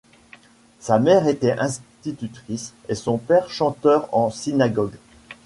Sa mère était institutrice et son père chanteur en synagogues.